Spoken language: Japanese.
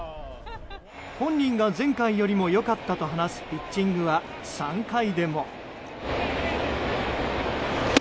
本人が前回よりも良かったと話すピッチングは３回。